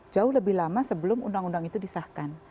jauh lebih lama sebelum undang undang itu disahkan